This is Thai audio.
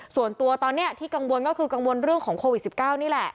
ส่วนตัวตอนนี้ที่กังวลก็คือกังวลเรื่องของโควิด๑๙นี่แหละ